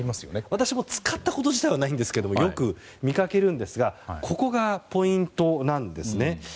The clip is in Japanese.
私も使ったこと自体はないですがよく見かけるんですがここがポイントなんです。